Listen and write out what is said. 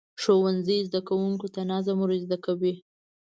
ښوونځی زده کوونکو ته نظم ورزده کوي.